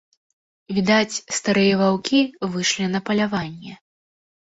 Відаць, старыя ваўкі выйшлі на паляванне.